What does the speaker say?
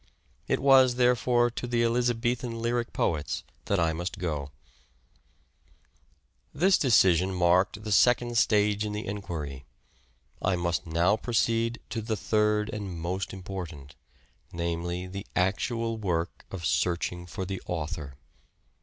It was, therefore, to the Elizabethan lyric poets that I must go This decision marked the second stage in the enquiry ; I must now proceed to the third and most important, namely the actual work of searching for the author.